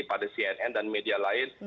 pada cnn dan media lain